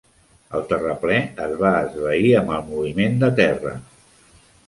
El terraplè es va esvair amb el moviment de terra.